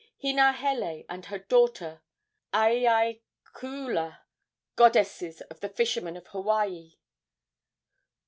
Hinahele and her daughter Aiaiakuula, goddesses of the fishermen of Hawaii.